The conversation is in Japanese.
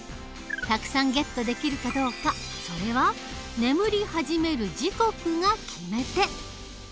たくさんゲットできるかどうかそれは眠り始める時刻が決め手。